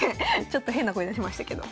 ちょっと変な声出しましたけど。